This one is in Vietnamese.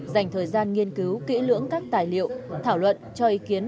dành thời gian nghiên cứu kỹ lưỡng các tài liệu thảo luận cho ý kiến